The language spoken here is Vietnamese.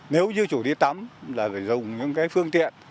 nếu như chủ đi tắm là phải dùng những cái phương tiện